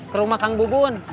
ke rumah kang bubun